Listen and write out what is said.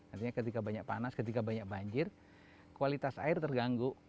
artinya ketika banyak panas ketika banyak banjir kualitas air terganggu